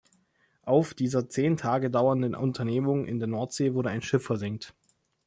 Auf dieser zehn Tage dauernden Unternehmung in der Nordsee wurde ein Schiff versenkt.